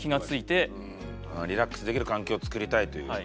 リラックスできる環境をつくりたいという。